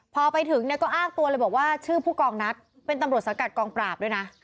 พอไปถึงเนี่ยก็อ้างตัวเลยบอกว่าชื่อผู้กองนัดเป็นตำรวจสังกัดกองปราบด้วยนะ